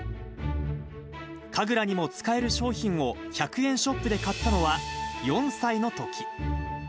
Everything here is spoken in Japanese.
神楽にも使える商品を１００円ショップで買ったのは４歳のとき。